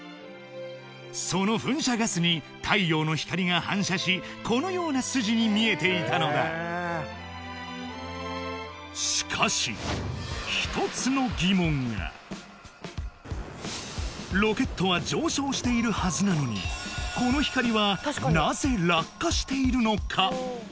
その噴射ガスに太陽の光が反射しこのような筋に見えていたのだしかしロケットは上昇しているはずなのにこの光はなぜ落下しているのか？